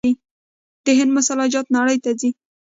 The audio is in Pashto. د هند مساله جات نړۍ ته ځي.